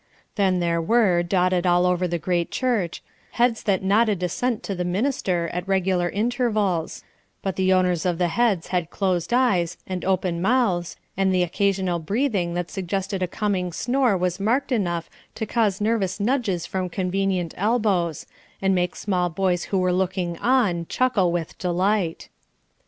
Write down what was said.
Then there were, dotted all over the great church, heads that nodded assent to the minister at regular intervals; but the owners of the heads had closed eyes and open mouths, and the occasional breathing that suggested a coming snore was marked enough to cause nervous nudges from convenient elbows, and make small boys who were looking on chuckle with delight.